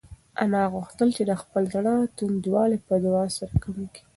انا غوښتل چې د خپل زړه توندوالی په دعا سره کم کړي.